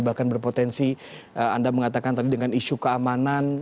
bahkan berpotensi anda mengatakan tadi dengan isu keamanan